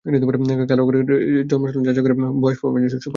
কারও কারও ক্ষেত্রে জন্মসনদ যাচাই করে বয়স প্রমার্জনের সুপারিশ করা হয়।